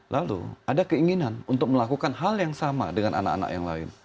lalu ada keinginan untuk melakukan hal yang sama dengan anak anak yang lain